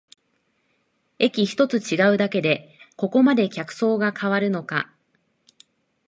駅ひとつ違うだけでここまで客層が変わるのか